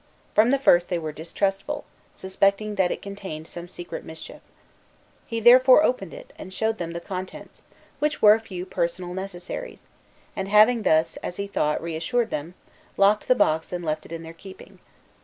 From the first they were distrustful, suspecting that it contained some secret mischief. He therefore opened it, and showed them the contents, which were a few personal necessaries; and having thus, as he thought, reassured them, locked the box, and left it in their keeping.